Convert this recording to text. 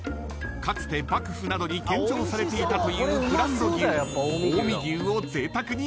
［かつて幕府などに献上されていたというブランド牛近江牛をぜいたくに使用］